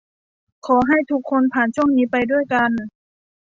ขอให้ทุกคนผ่านช่วงนี้ไปด้วยกัน